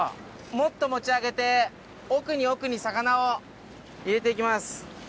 もっと持ち上げて奥に奥に魚を入れて行きます。